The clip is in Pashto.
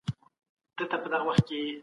نیکدل